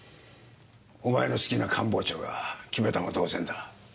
お前の好きな官房長が決めたも同然だ。